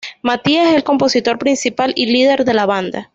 Mathias es el compositor principal y líder de la banda.